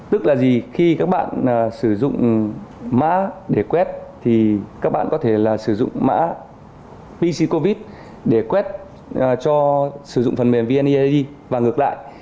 tức là gì khi các bạn sử dụng mã để quét thì các bạn có thể là sử dụng mã psi covid để quét cho sử dụng phần mềm vneid và ngược lại